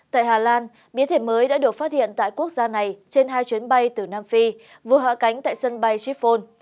tại hà lan biến thể mới đã được phát hiện tại quốc gia này trên hai chuyến bay từ nam phi vừa hạ cánh tại sân bay shipphone